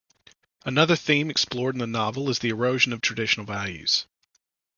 Another theme explored in the novel is the erosion of traditional values.